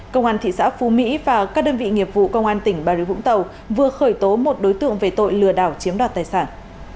công an thị xã phú mỹ và các đơn vị nghiệp vụ công an tỉnh bà rịa vũng tàu vừa khởi tố một đối tượng về tội lừa đảo chiếm đoạt tài sản